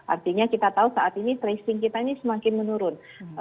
artinya kita tahu saat ini tracing kita ini semakin menurun